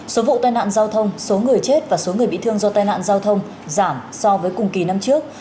số vụ tai nạn giao thông số người chết và số người bị thương do tai nạn giao thông giảm so với cùng kỳ năm trước